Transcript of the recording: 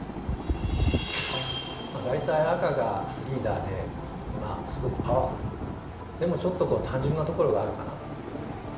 まあ大体赤がリーダーですごくパワフルでもちょっと単純なところがあるかな？